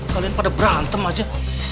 kalian pada berantem aja